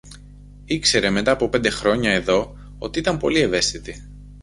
Ήξερε μετά από πέντε χρόνια εδώ ότι ήταν πολύ ευαίσθητοι